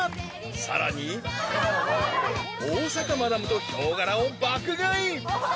更に、大阪マダムとヒョウ柄を爆買い。